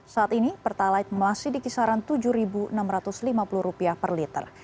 saat ini pertalite masih di kisaran rp tujuh enam ratus lima puluh per liter